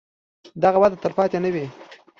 دغه وده تلپاتې نه وي.